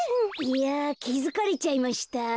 いやきづかれちゃいました？